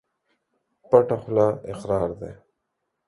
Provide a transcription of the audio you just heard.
پټه خوله اقرار دى.